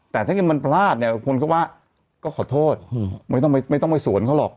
แต่ถ้าเกิดมันพลาดเนี่ยคนก็ว่าก็ขอโทษไม่ต้องไปสวนเขาหรอก